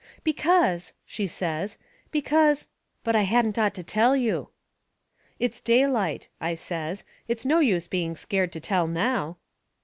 "Because," she says, "because but I hadn't ought to tell you." "It's daylight," I says; "it's no use being scared to tell now."